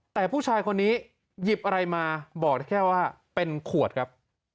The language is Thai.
แต่ผู้ชายคนนี้หยิบอะไรมาบอกได้แค่ว่าเป็นขวดครับ